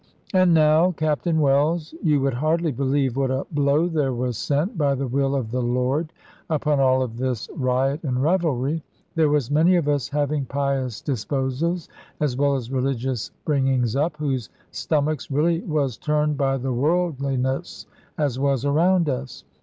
"And now, Captain Wells, you would hardly believe what a blow there was sent, by the will of the Lord, upon all of this riot and revelry. There was many of us having pious disposals, as well as religious bringings up, whose stomachs really was turned by the worldliness as was around us.